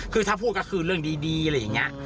คือถ้าพูดก็คือเรื่องดีอะไรอย่างนี้